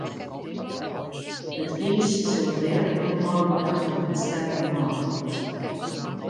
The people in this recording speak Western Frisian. It iis sil dêr nei alle gedachten net sterk genôch wêze.